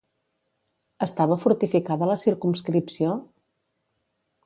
Estava fortificada la circumscripció?